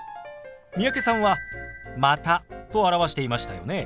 三宅さんは「また」と表していましたよね。